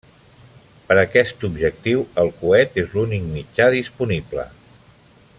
Per aquest objectiu, el coet és l'únic mitjà disponible.